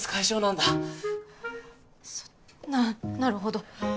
ななるほど。